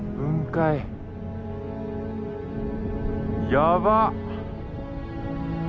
やばっ！